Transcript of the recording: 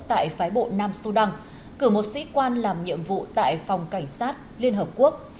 tại phái bộ nam sudan cử một sĩ quan làm nhiệm vụ tại phòng cảnh sát liên hợp quốc